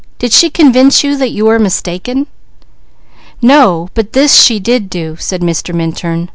Did she convince you that you are mistaken?" "No. But this she did do," said Mr. Minturn.